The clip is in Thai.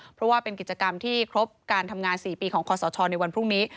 เพราะว่าเป็นกิจกรรมที่ครบการทำงาน๔ปีของคอสชในวันพรุ่งนี้